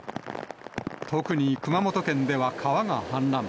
特に熊本県では川が氾濫。